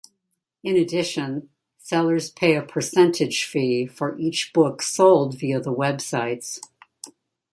In addition, sellers pay a percentage fee for each book sold via the websites.